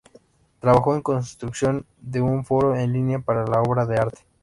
Trabajo y construcción de un foro en línea para la obra de arte.